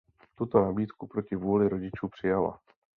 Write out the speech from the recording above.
Tuto nabídku proti vůli rodičů přijala.